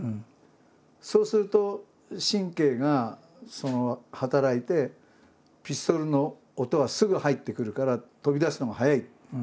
そうすると神経が働いてピストルの音がすぐ入ってくるから飛び出すのが早いって。